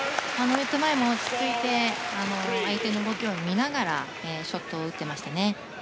ネット前も、落ち着いて相手の動きを見ながらショットを打ってましたね。